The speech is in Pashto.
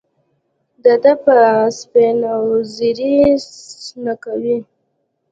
دده په سپینواوزري څڼوکې